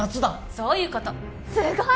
そういうことすごい！